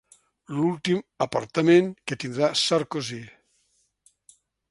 L'últim apartament que tindrà Sarkozy.